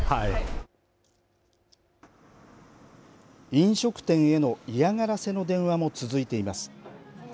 飲食店への嫌がらせの電話も続いています。